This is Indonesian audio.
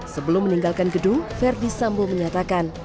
sebelum meninggalkan gedung ferdi sambu menyatakan